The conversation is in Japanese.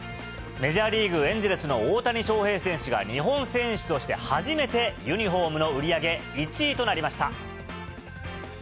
メジャーリーグ・エンゼルスの大谷翔平選手が、日本選手として初めてユニホームの売り上げ１位となりました。